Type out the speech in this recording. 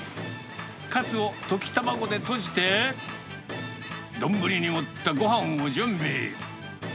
カツを溶き卵でとじて、丼に盛ったごはんを準備。